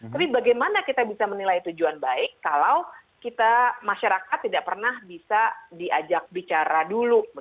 tapi bagaimana kita bisa menilai tujuan baik kalau kita masyarakat tidak pernah bisa diajak bicara dulu